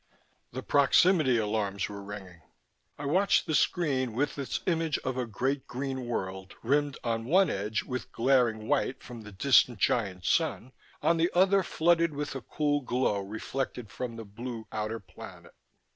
The proximity alarms were ringing. I watched the screen with its image of a great green world rimmed on one edge with glaring white from the distant giant sun, on the other flooded with a cool glow reflected from the blue outer planet.